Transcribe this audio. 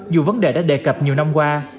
dù vấn đề đã đề cập nhiều năm qua